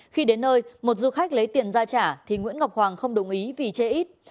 khi đến nơi một du khách lấy tiền ra trả thì nguyễn ngọc hoàng không đồng ý vì chê ít